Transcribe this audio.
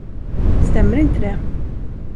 Stämmer inte det?